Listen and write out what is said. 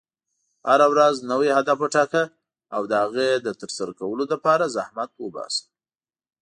هره ورځ نوی هدف وټاکه، او د هغې د ترسره کولو لپاره زحمت وباسه.